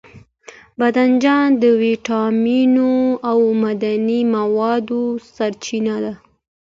بانجان د ویټامینونو او معدني موادو سرچینه ده.